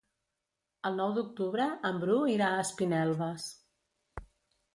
El nou d'octubre en Bru irà a Espinelves.